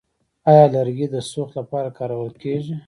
آیا لرګي د سوخت لپاره کارول کیږي؟